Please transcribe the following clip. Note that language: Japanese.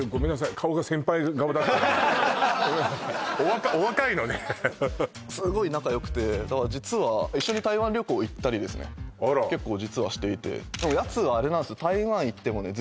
顔が先輩顔だったんでお若いのねすごい仲よくて実は一緒に台湾旅行行ったりですね結構実はしていてやつはあれなんですよ